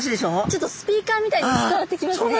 ちょっとスピーカーみたいに伝わってきますね。